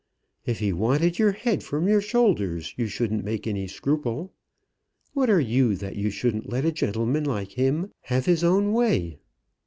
If he wanted your head from your shoulders, you shouldn't make any scruple. What are you, that you shouldn't let a gentleman like him have his own way?